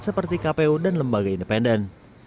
seperti kpu dan lembaga independen